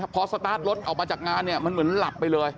พอสตาร์ทรถออกมาจากงานเนี่ยมันเหมือนหลับไปเลย